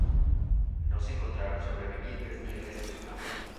No se encontraron sobrevivientes ni restos humanos.